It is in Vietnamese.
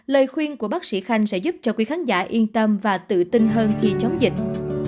lời khuyên của bác sĩ khanh sẽ giúp cho quý khán giả yên tâm và tự tin hơn khi chống dịch